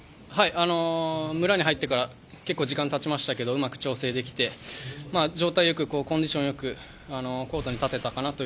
村に入ってから、結構、時間たちましたけどうまく調整できて、状態良くコンディション良くコートに立てたかなと。